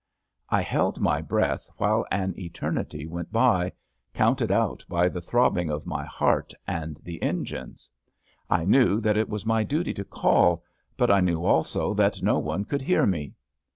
I held my breath while an eternity went by, counted out by the throbbing of my heart and the engines. I knew that it was my duty to call, but I knew also that no one could hear me.